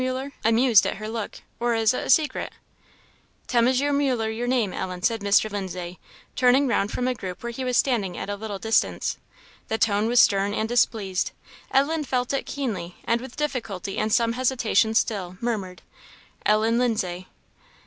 Muller, amused at her look, "or is it a secret?" "Tell M. Muller your name, Ellen," said Mr. Lindsay, turning round from a group where he was standing at a little distance. The tone was stern and displeased. Ellen felt it keenly, and with difficulty and some hesitation still, murmured "Ellen Lindsay."